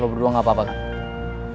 berdua gak apa apa kan